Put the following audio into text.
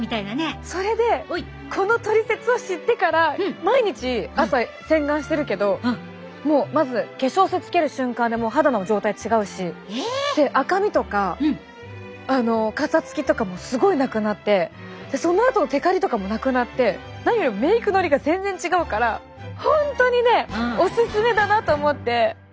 それでこのトリセツを知ってから毎日朝洗顔してるけどもうまず化粧水つける瞬間でもう肌の状態違うし赤みとかかさつきとかもすごいなくなってそのあとのてかりとかもなくなって何よりもメイクのりが全然違うから本当にねおすすめだなと思って。